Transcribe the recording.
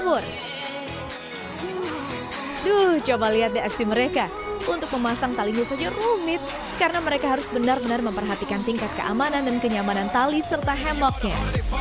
untuk memasang tali musojo rumit karena mereka harus benar benar memperhatikan tingkat keamanan dan kenyamanan tali serta hemoknya